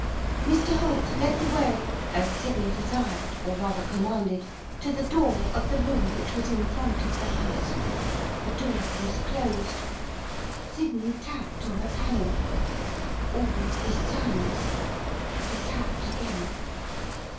Mr Holt led the way, as Sydney desired or, rather, commanded, to the door of the room which was in front of the house. The door was closed. Sydney tapped on a panel. All was silence. He tapped again.